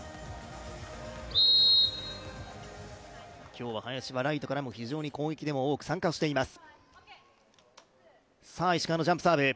今日は林はライトからも、非常に多く攻撃に参加しています。